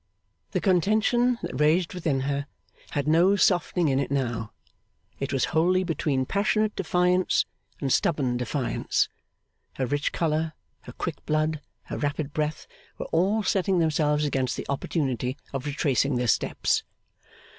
The contention that raged within her had no softening in it now; it was wholly between passionate defiance and stubborn defiance. Her rich colour, her quick blood, her rapid breath, were all setting themselves against the opportunity of retracing their steps.